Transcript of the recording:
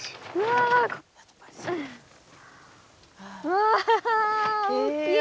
わ大きい。